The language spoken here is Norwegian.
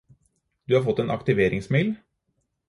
Du har fått en aktiveringsmail